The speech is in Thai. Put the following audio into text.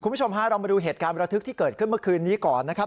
คุณผู้ชมฮะเรามาดูเหตุการณ์ประทึกที่เกิดขึ้นเมื่อคืนนี้ก่อนนะครับ